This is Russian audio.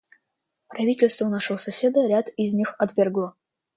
Правительство нашего соседа ряд из них отвергло.